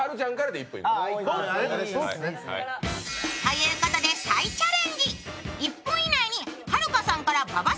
いうことで再チャレンジ。